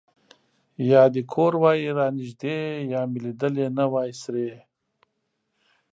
لیا دې کور وای را نژدې ـ لیا مې لیدلګې نه وای سرې